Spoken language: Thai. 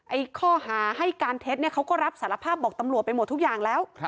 ข้อหาให้การเท็จเนี่ยเขาก็รับสารภาพบอกตำรวจไปหมดทุกอย่างแล้ว